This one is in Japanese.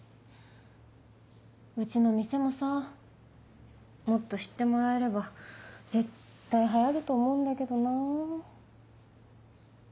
うちの店もさもっと知ってもらえれば絶対流行ると思うんだけどなぁ。